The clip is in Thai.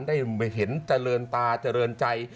ได้เห็นเจริญตาเจริญใจ